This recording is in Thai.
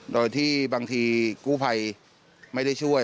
โดยที่บางทีกู้ภัยไม่ได้ช่วย